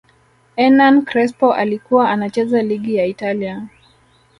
ernan Crespo alikuwa anacheza ligi ya Italia